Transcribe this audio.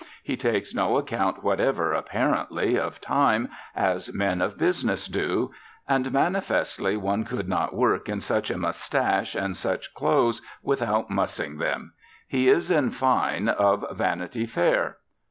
He takes no account whatever, apparently, of time, as men of business do; and manifestly one could not work in such a moustache and such clothes without mussing them. He is, in fine, of Vanity Fair.